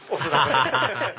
ハハハハ！